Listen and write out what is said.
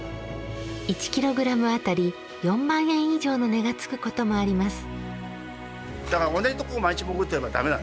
１ｋｇ当たり４万円以上の値がつくこともあります。